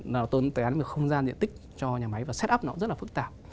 nó tồn tán một không gian diện tích cho nhà máy và set up nó rất là phức tạp